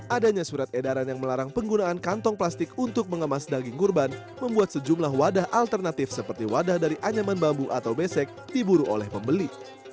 adanya surat edaran yang melarang penggunaan kantong plastik untuk mengemas daging kurban membuat sejumlah wadah alternatif seperti wadah dari anyaman bambu atau besek diburu oleh pembeli